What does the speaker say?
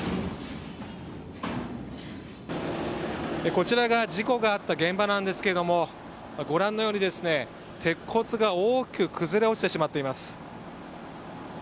こちらが事故があった現場なんですけどもご覧のように鉄骨が大きく崩れ落ちてしまっています。